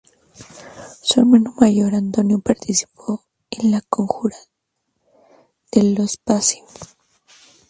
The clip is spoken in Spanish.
Su hermano mayor Antonio participó en la Conjura de los Pazzi.